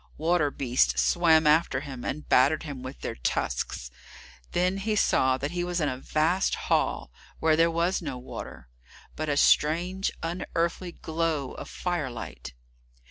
Water beasts swam after him and battered him with their tusks. Then he saw that he was in a vast hall, where there was no water, but a strange, unearthly glow of firelight.